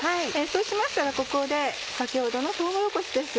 そうしましたらここで先ほどのとうもろこしです。